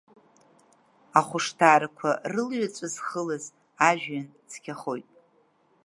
Ахәышҭаарақәа рылҩаҵә зхылаз ажәҩан цқьахоит…